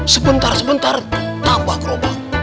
sebentar sebentar tambah kerobak